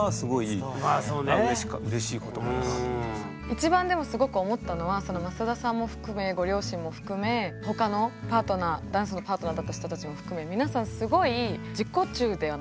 一番でもすごく思ったのは増田さんも含めご両親も含め他のパートナーダンスのパートナーだった人たちも含め皆さん